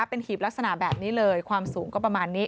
เป็นหีบลักษณะแบบนี้เลยความสูงก็ประมาณนี้